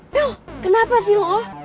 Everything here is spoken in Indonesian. yo kenapa sih lo